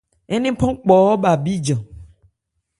Ńnephan kpɔɔ́ bha bíjan.